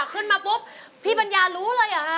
ขึ้นมาปุ๊บพี่ปัญญารู้เลย